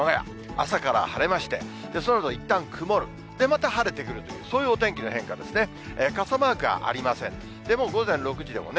朝から晴れまして、そのあと、いったん曇る、で、また晴れてくるという、そういうお天気の変化なんですね。